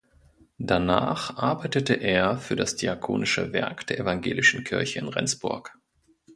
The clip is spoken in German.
Danach arbeitete er für das Diakonische Werk der Evangelischen Kirche in Rendsburg.